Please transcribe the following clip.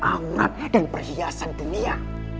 angkat dan perhiasan dunia